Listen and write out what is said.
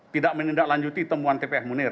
tidak menindaklanjuti temuan tpf munir